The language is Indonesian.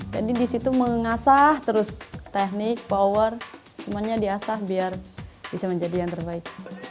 jadi disitu mengasah terus teknik power semuanya di asah biar bisa menjadi yang terbaik